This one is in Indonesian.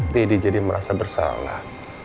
dedi jadi merasa bersalah